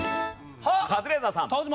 カズレーザーさん。